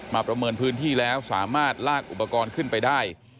ประเมินพื้นที่แล้วสามารถลากอุปกรณ์ขึ้นไปได้